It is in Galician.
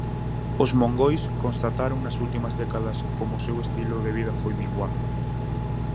Os mongois constataron nas últimas décadas como o seu estilo de vida foi minguando.